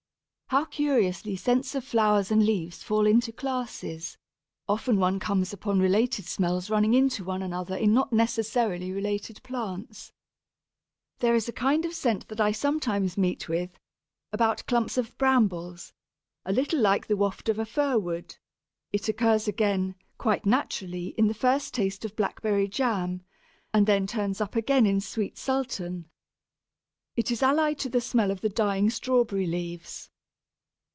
How curiously scents of flowers and leaves fall into classes often one comes upon related smells running into one another in not necessarily related plants. There is a kind of scent that I sometimes meet with, about clumps of Brambles, a little like the waft of a Fir wood; it occurs again (quite naturally) in the first taste of blackberry jam, and then turns up again in Sweet Sultan. It is allied to the smell of the dying Strawberry leaves.